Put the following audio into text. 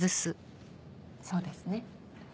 そうですね。